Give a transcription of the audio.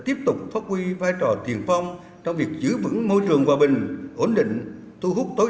tiếp tục phát huy vai trò tiền phong trong việc giữ vững môi trường hòa bình ổn định thu hút tối